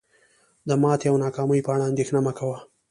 د ماتې او ناکامۍ په اړه اندیښنه مه کوه.